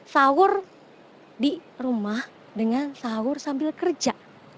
sahur di rumah dengan sahur sambil kerja